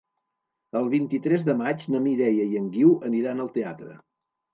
El vint-i-tres de maig na Mireia i en Guiu aniran al teatre.